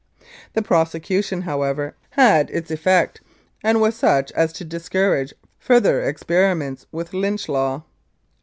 The prosecution, however, had its effect, and was such as to discourage further experiments with Lynch Law.